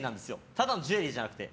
ただのジュエリーじゃなくて。